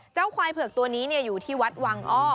ควายเผือกตัวนี้อยู่ที่วัดวังอ้อ